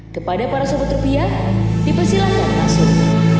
kepada para sobat rupiah dipersilahkan langsung